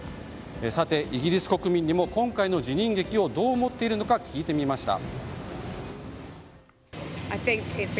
イギリス国民にも今回の辞任劇をどう思っているのか聞いてみました。